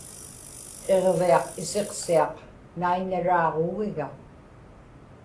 iġviaq isiqsiaq naiññaraaġuugiga